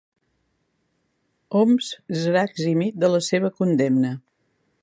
Homs serà eximit de la seva condemna